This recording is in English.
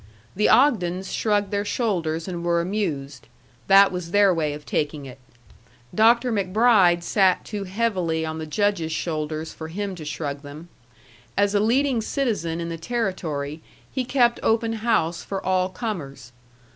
The Ogdens shrugged their shoulders and were amused. That was their way of taking it. Dr. MacBride sat too heavily on the Judge's shoulders for him to shrug them. As a leading citizen in the Territory he kept open house for all comers.